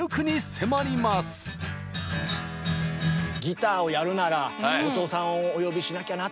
ギターをやるなら後藤さんをお呼びしなきゃなと。